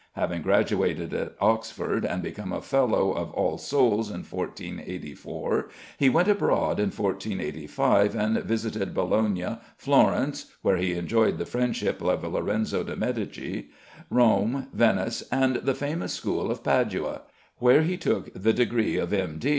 Having graduated at Oxford, and become a Fellow of All Souls in 1484, he went abroad in 1485, and visited Bologna, Florence (where he enjoyed the friendship of Lorenzo de Medici), Rome, Venice, and the famous school of Padua (where he took the degree of M.